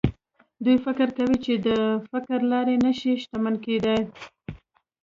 دوی فکر کوي چې د فکري لارې نه شي شتمن کېدای.